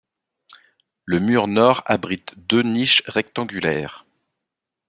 Le mur nord abrite deux niches rectangulaires.